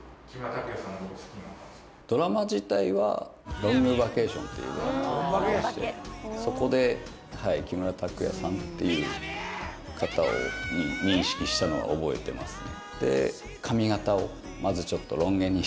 「ロングバケーション」っていうドラマがありましてそこで木村拓哉さんっていう方を認識したのは覚えてますね